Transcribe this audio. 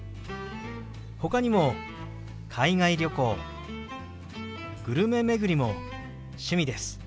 ほかにも海外旅行グルメ巡りも趣味です。